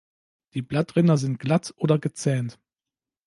Die Blattränder sind glatt oder gezähnt.